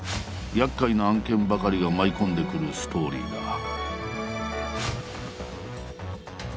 厄介な案件ばかりが舞い込んでくるストーリーだ。